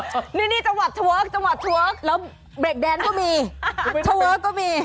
ฮิปพอปนี่จังหวะเทอร์เวิร์กจังหวะเทอร์เวิร์กแล้วเบรกแดนก็มีเทอร์เวิร์กก็มี